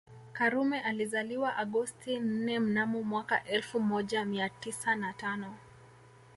Karume alizaliwa Agosti nne mnamo mwaka elfu moja mia tisa na tano